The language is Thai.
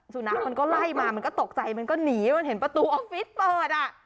สุนัขมันก็ไล่มามันก็ตกใจมันก็หนีมันเห็นประตูออฟฟิศเปิดอ่ะ